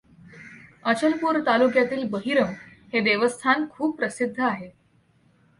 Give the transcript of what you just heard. अचलपूर तालुक्यातील बहिरम हे देवस्थान खूप प्रसिद्ध आहे.